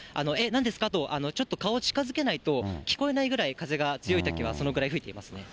なんですか？とちょっと顔を近づけないと聞こえないぐらい、風が強いときは、そのぐらい吹いていますね。